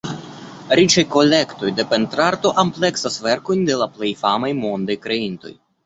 Riĉaj kolektoj de pentrarto ampleksas verkojn de la plej famaj mondaj kreintoj.